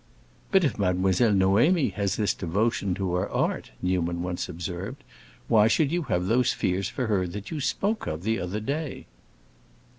"But if Mademoiselle Noémie has this devotion to her art," Newman once observed, "why should you have those fears for her that you spoke of the other day?"